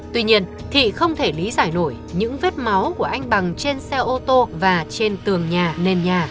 tuy nhiên thị không thể lý giải nổi những vết máu của anh bằng trên xe ô tô và trên tường nhà nền nhà